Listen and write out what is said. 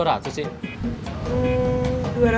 dua ratus paling yang second